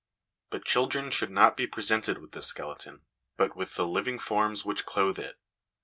But children should not be presented with the skeleton, but with the living forms which clothe it.